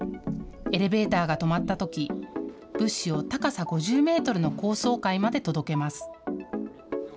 エレベーターが止まったとき物資を高さ５０メートルの高層階まで届けます。